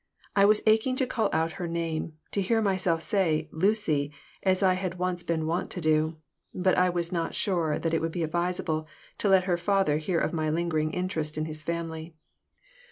I was aching to call out her name, to hear myself say "Lucy" as I had once been wont to do, but I was not sure that it would be advisable to let her father hear of my lingering interest in his family.